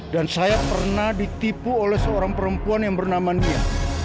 dan saya pernah ditipu oleh seorang perempuan yang bernama nia